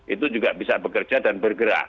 itu juga bisa bekerja dan bergerak